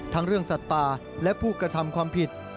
ทั้งเรื่องสัตว์ป่าและผู้กระทำความผิด